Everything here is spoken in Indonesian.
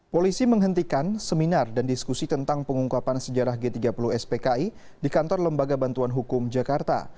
polisi menghentikan seminar dan diskusi tentang pengungkapan sejarah g tiga puluh spki di kantor lembaga bantuan hukum jakarta